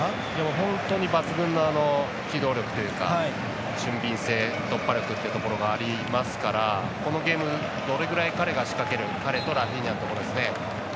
本当に抜群の機動力というか俊敏性、突破力というところがありますからこのゲーム、どれぐらい彼が仕掛ける彼とラフィーニャのところですね。